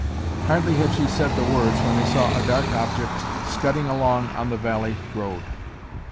Hardly had she said the words when they saw a dark object scudding along on the valley road.